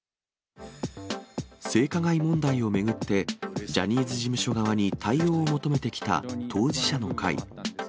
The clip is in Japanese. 性加害問題を巡って、ジャニーズ事務所側に対応を求めてきた当事者の会。